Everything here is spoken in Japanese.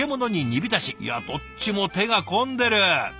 いやどっちも手が込んでる。